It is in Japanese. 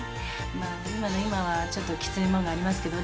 まあ今の今はちょっときついもんがありますけど。